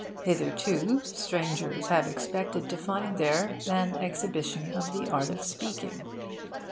Hitherto, strangers have expected to find there an exhibition of the art of speaking.